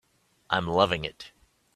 I'm loving it.